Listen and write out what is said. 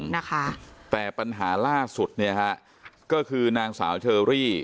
นะคะแต่ปัญหาล่าสุดเนี่ยฮะก็คือนางสาวเชอรี่